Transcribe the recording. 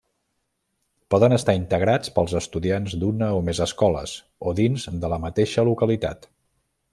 Poden estar integrats pels estudiants d'una o més escoles, o dins de la mateixa localitat.